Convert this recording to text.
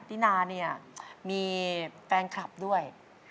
ตินาเนี่ยมีแฟนคลับด้วย